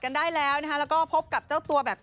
สุดท้ายสุดท้าย